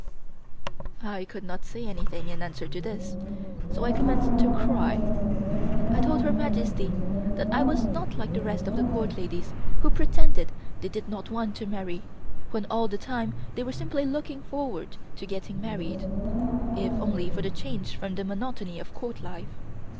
I could not say anything in answer to this, so commenced to cry. I told Her Majesty that I was not like the rest of the Court ladies who pretended they did not want to marry, when all the time they were simply looking forward to getting married, if only for the change from the monotony of Court life.